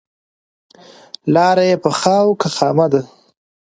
لاره یې پخه او که خامه ده.